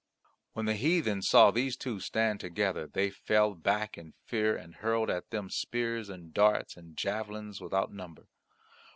When the heathen saw these two stand together they fell back in fear and hurled at them spears and darts and javelins without number.